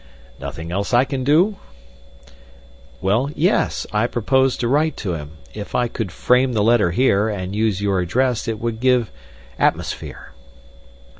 "Nothing else I can do?" "Well, yes; I propose to write to him. If I could frame the letter here, and use your address it would give atmosphere."